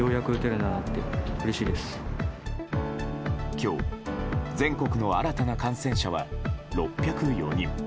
今日、全国の新たな感染者は６０４人。